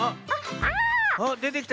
あっでてきた。